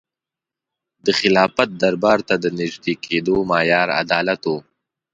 د خلافت دربار ته د نژدې کېدو معیار عدالت و.